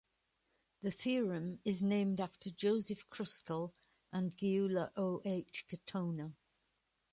The theorem is named after Joseph Kruskal and Gyula O. H. Katona.